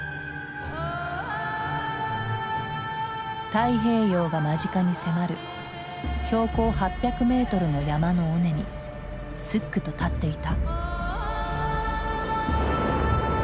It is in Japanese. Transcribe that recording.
太平洋が間近に迫る標高８００メートルの山の尾根にすっくと立っていた。